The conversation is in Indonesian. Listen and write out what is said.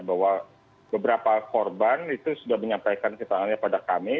bahwa beberapa korban itu sudah menyampaikan ketahannya pada kami